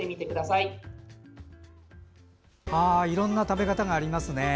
いろんな食べ方がありますね。